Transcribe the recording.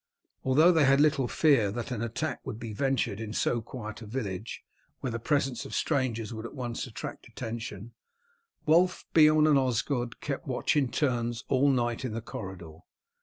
Although they had little fear that an attack would be ventured in so quiet a village where the presence of strangers would at once attract attention, Wulf, Beorn, and Osgod kept watch in turns all night in the corridor.